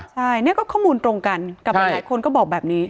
ใช่นี่ก็ข้อมูลตรงกันกับหลายคนก็บอกแบบนี้